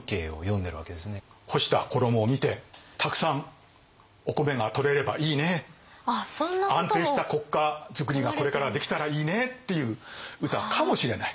干した衣を見てたくさんお米がとれればいいね安定した国家づくりがこれからできたらいいねっていう歌かもしれない。